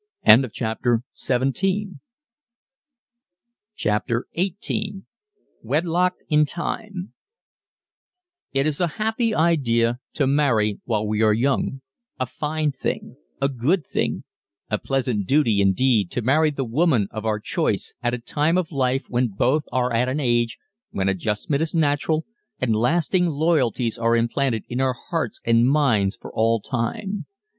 CHAPTER XVIII WEDLOCK IN TIME It is a happy idea to marry while we are young a fine thing a good thing a pleasant duty indeed to marry the woman of our choice at a time of life when both are at an age when adjustment is natural and lasting loyalties are implanted in our hearts and minds for all time.